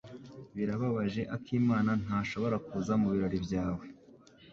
Birababaje Akimana ntashobora kuza mubirori byawe.